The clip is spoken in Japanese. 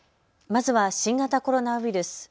まずは新型コロナウイルス。